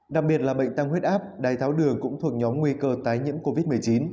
đặc biệt là bệnh tăng huyết áp đáy tháo đường cũng thuộc nhóm nguy cơ tái nhiễm covid một mươi chín